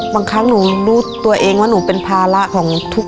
บางครั้งหนูรู้ตัวเองว่าหนูเป็นภาระของทุกคน